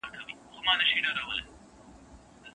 زوی بيا پلار ته راغی.